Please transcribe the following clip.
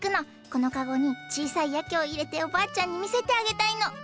この籠に小さい秋を入れておばあちゃんに見せてあげたいの。